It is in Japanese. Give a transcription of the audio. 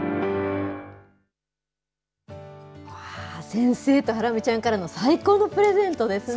先生とハラミちゃんからの最高のプレゼントですね。